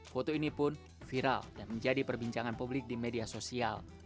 foto ini pun viral dan menjadi perbincangan publik di media sosial